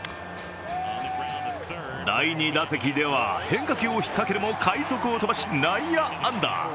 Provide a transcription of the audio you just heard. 第２打席では変化球をひっかけるも快足を飛ばし、内野安打。